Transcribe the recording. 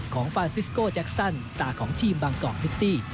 ฟานซิสโกแจ็คซันสตาร์ของทีมบางกอกซิตี้